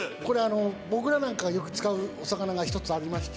海僕らなんかがよく使うお魚がひとつありまして。